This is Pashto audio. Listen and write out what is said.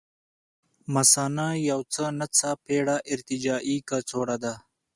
مثانه یو څه ناڅه پېړه ارتجاعي کڅوړه ده.